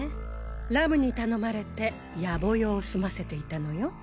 ラムに頼まれてヤボ用を済ませていたのよ。